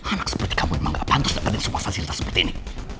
anak seperti kamu memang gak pantas dapetin semua fasilitas seperti ini